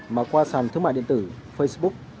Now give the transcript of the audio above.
mà qua sàn thương mại điện tử facebook